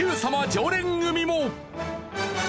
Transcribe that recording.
常連組も。